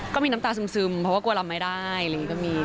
ก็มีน้ำตาซึมพวก่อกลัวรำไม่ได้